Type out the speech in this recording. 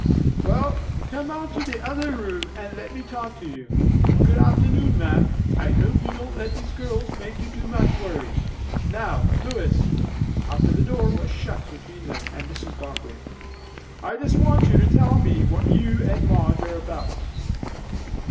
"Well, come out to the other room and let me talk to you! Good afternoon, ma'am I hope you don't let these girls make you too much worry. Now, Lois" (after the door was shut between them and Mrs. Barclay), "I just want you to tell me what you and Madge are about?"